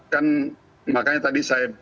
kan makanya tadi saya